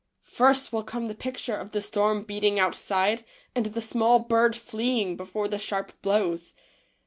First will come the picture of the storm beating out side and the small bird fleeing before the sharp blows.